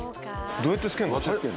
どうやってつけるの？